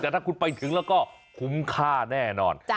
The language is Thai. แต่ถ้าคุณไปถึงแล้วก็คุ้มค่าแน่นอน